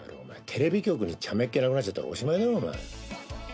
テレビ局にちゃめっ気なくなっちゃったらおしまいだよお前。